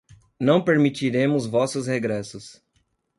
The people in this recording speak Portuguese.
Não permitiremos vossos regressos